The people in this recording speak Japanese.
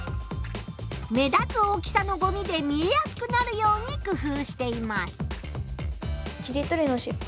目立つ大きさのごみで見えやすくなるように工夫しています。